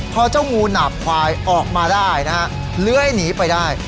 พอเจ้างูหนาบควายออกมาได้นะฮะเลื้อยหนีไปได้